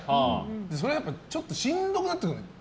それはやっぱりちょっとしんどくなってくる。